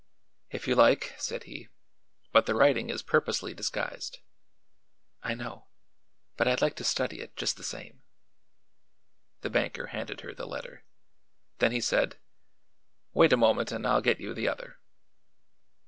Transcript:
"If you like," said he; "but the writing is purposely disguised." "I know; but I'd like to study it, just the same." The banker handed her the letter. Then he said: "Wait a moment and I'll get you the other."